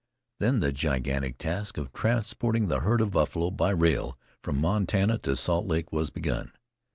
Then the gigantic task of transporting the herd of buffalo by rail from Montana to Salt Lake was begun.